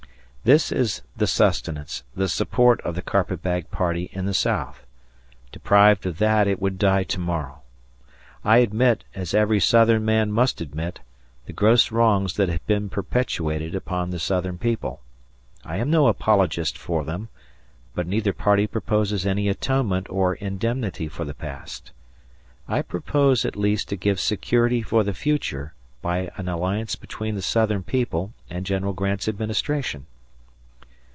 This is the sustenance, the support of the carpetbag party in the South. Deprived of that, it would die to morrow. I admit, as every Southern man must admit, the gross wrongs that have been perpetrated upon the Southern people. I am no apologist for them, but neither party proposes any atonement or indemnity for the past. I propose at least to give security for the future by an alliance between the Southern people and General Grant's administration."